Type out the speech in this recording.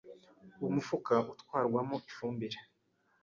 umufuka utwarwamo ifumbire